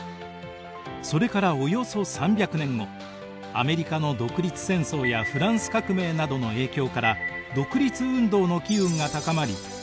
それからおよそ３００年後アメリカの独立戦争やフランス革命などの影響から独立運動の機運が高まり